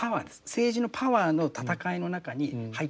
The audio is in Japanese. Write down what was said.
政治のパワーの戦いの中に入っていっちゃう。